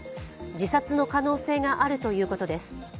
自殺の可能性があるということです。